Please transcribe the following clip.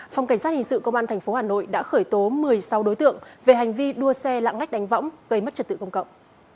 phòng cảnh sát hình sự công an tp hà nội đã khởi tố một mươi sáu đối tượng về hành vi đua xe lạng lách đánh võng gây mất trật tự công cộng